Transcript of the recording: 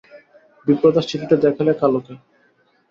বিপ্রদাস চিঠিটা দেখালে কালুকে।